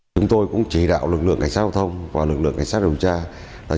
chúng tôi cũng chỉ đạo lực lượng cảnh sát giao thông và lực lượng cảnh sát điều tra